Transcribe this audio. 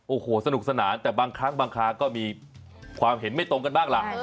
โอ้โฮสนุกสนานแต่บางครั้งก็มีความเห็นไม่ตรงกันบ้าง